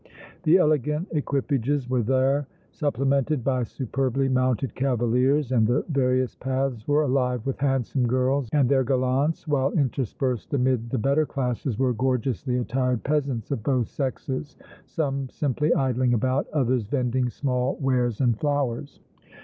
The elegant equipages were there supplemented by superbly mounted cavaliers and the various paths were alive with handsome girls and their gallants, while interspersed amid the better classes were gorgeously attired peasants of both sexes, some simply idling about, others vending small wares and flowers.